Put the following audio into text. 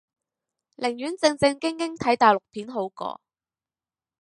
寧願正正經經睇大陸片好過